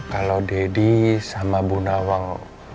kalau deddy sama bu nawang